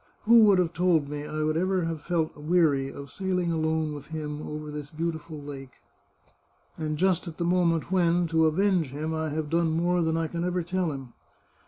Who would have told me I ever could have felt weary of sailing alone with him over this beautiful lake! And just at the moment when, to avenge him, I have done more than I can ever tell him